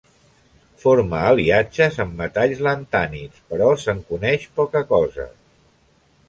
Forma aliatges amb metalls lantànids però se'n coneix poca cosa.